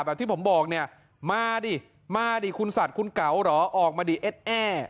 แบบที่ผมบอกมาดิมาดิคุณสัตว์คุณเก๋าเหรอออกมาดิเอ๊ะแอ่